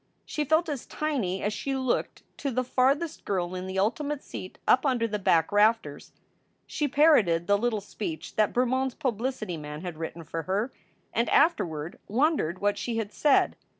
She felt as tiny as she looked to the farthest girl in the ultimate seat up under the back rafters. She parroted the little speech that Bermond s publicity man had written for her, and afterward wondered what she had said.